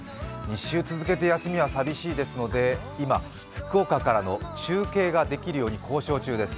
２週続けて休みは、さみしいですので今、福岡からの中継ができるように交渉中です。